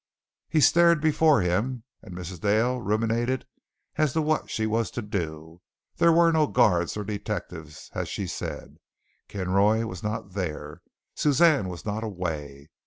He stared before him and Mrs. Dale ruminated as to what she was to do. There were no guards or detectives, as she said. Kinroy was not there. Suzanne was not away.